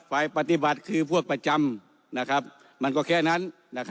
ฝ่ายปฏิบัติคือพวกประจำมันก็แค่นั้น